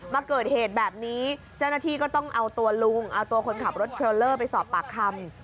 มาเกิดเหตุแบบนี้เจ้าหน้าที่ก็ต้องเอาตัวลุงเอาตัวคนขับรถเทรลเลอร์ไปสอบปากคำ